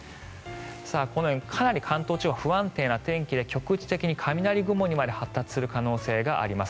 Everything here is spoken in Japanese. このようにかなり関東地方は不安定な天気で局地的に雷雲にまで発達する恐れがあります。